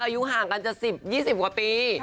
หายมากอายุห่างกันจะ๒๑ปี